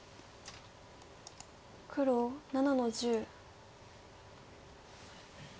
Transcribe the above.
黒７の十。